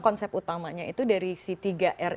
konsep utamanya itu dari si tiga r